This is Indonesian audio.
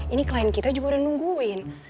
ini klien kita juga udah nungguin